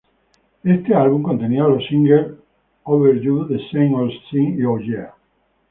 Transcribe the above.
Este álbum contenía los singles "Over You", "The Same Old Scene" y "Oh Yeah".